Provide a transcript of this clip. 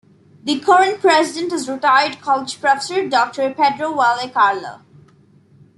The current president is retired college professor Doctor Pedro Valle Carlo.